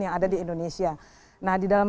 yang ada di indonesia nah di dalam